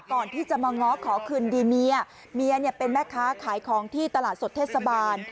ก่อนที่จะมาง้อขอคืนดีเมียเมียเนี่ยเป็นแม่ค้าขายของที่ตลาดสดเทศบาล